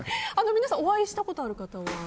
皆さんお会いしたことある方は？